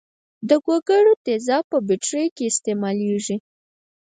د ګوګړو تیزاب په بټریو کې استعمالیږي.